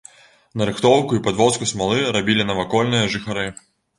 Нарыхтоўку і падвозку смалы рабілі навакольныя жыхары.